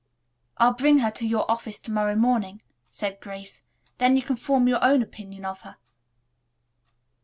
"I'll bring her to your office to morrow morning," said Grace, "then you can form your own opinion of her."